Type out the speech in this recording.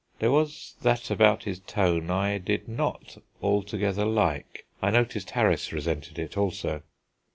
There was that about his tone I did not altogether like; I noticed Harris resented it also.